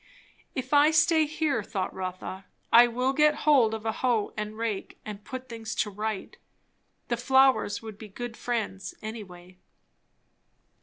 If I stay here, thought Rotha, I will get hold of a hoe and rake, and put things to rights. The flowers would be good friends, any way.